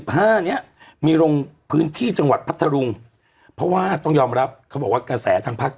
หืมหืมหืมหืม